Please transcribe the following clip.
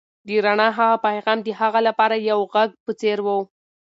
د رڼا هغه پیغام د هغه لپاره د یو غږ په څېر و.